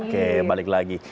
oke balik lagi